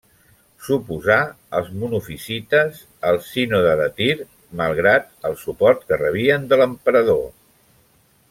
S'oposà als monofisites al Sínode de Tir, malgrat el suport que rebien de l'emperador.